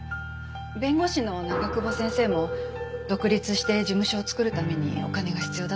弁護士の長久保先生も独立して事務所を作るためにお金が必要だったようですし。